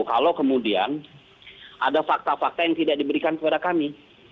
kalau kemudian ada fakta fakta yang tidak diberikan kepada kami